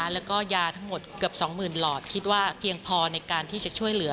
แล้วก็ยาทั้งหมดเกือบ๒๐๐๐หลอดคิดว่าเพียงพอในการที่จะช่วยเหลือ